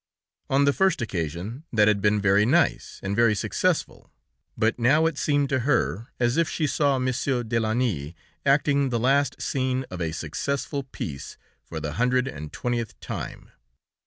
On the first occasion that had been very nice and very successful; but now it seemed to her as if she saw Monsieur Delauney acting the last scene of a successful piece for the hundred and twentieth time.